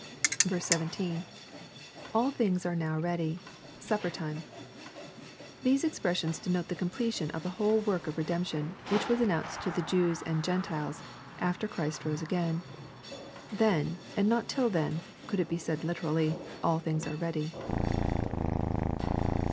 17. — [AU things are now ready. ..Supper time.] These expressions denote the completion of the whole work of redemption, which was announced to the Jews and Grentiies, after Christ rose again. Then, and not till then, could it be said literally, " all things are ready."